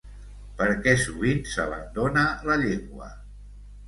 Per què sovint s’abandona la llengua?